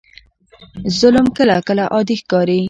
ظلم کله کله عادي ښکاري.